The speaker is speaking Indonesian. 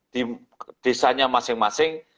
di desanya masing masing